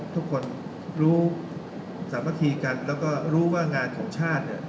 ทุกคนรู้สามัคคีกันแล้วก็รู้ว่างานของชาติเนี่ย